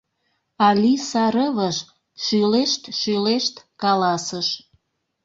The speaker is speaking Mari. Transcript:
Алиса рывыж шӱлешт-шӱлешт каласыш: